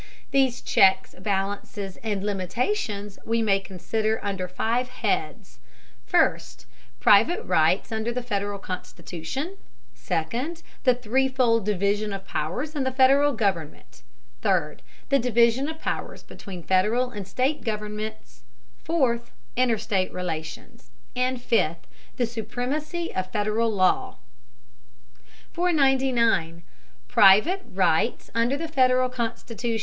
These checks, balances, and limitations we may consider under five heads: first, private rights under the Federal Constitution; second, the threefold division of powers in the Federal government; third, the division of powers between Federal and state governments; fourth, interstate relations; and fifth, the supremacy of Federal law. 499. PRIVATE RIGHTS UNDER THE FEDERAL CONSTITUTION.